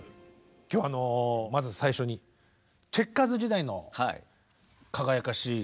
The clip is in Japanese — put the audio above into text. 今日はまず最初にチェッカーズ時代の輝かしい。